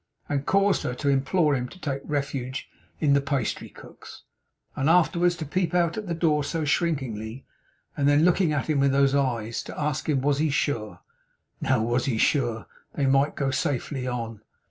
and caused her to implore him to take refuge in the pastry cook's, and afterwards to peep out at the door so shrinkingly; and then, looking at him with those eyes, to ask him was he sure now was he sure they might go safely on!